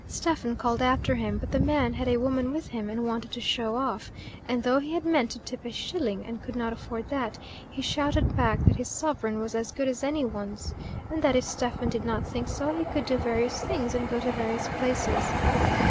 Stephen called after him; but the man had a woman with him and wanted to show off, and though he had meant to tip a shilling, and could not afford that, he shouted back that his sovereign was as good as any one's, and that if Stephen did not think so he could do various things and go to various places.